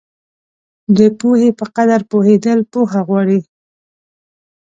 د پوهې په قدر پوهېدل پوهه غواړي.